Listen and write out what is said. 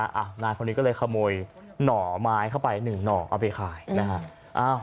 นายคนนี้ก็เลยขโมยหน่อไม้เข้าไปหนึ่งหน่อเอาไปขายนะฮะ